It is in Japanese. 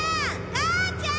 母ちゃん！